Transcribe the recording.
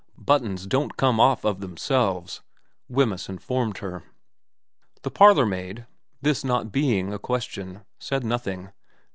' Buttons don't come off of themselves,' Wemyss informed her. The parlourmaid, this not being a question, said nothing.